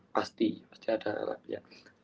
pasti pasti ada akhlaknya